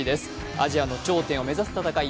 アジアの頂点を目指す戦い